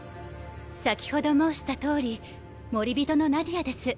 先ほど申した通り守り人のナディアです。